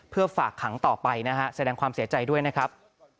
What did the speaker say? เพื่อฝากขังต่อไปนะฮะแสดงความเสียใจด้วยนะครับ